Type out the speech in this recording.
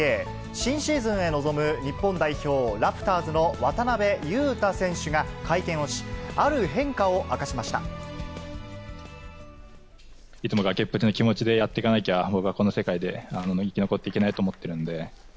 新シーズンへ臨む日本代表、ラプターズの渡邊雄太選手が会見いつも崖っぷちの気持ちでやっていかなきゃ、この世界で生き残っていけないと思っているんで。